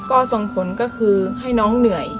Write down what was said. ก็ส่งผลก็คือให้น้องเหนื่อย